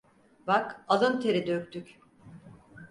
Bak, alın teri döktük.